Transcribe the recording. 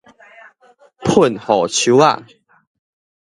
噴雨鬚仔